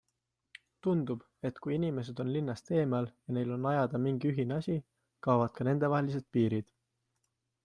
Tundub, et kui inimesed on linnast eemal ja neil on ajada mingi ühine asi, kaovad ka nendevahelised piirid.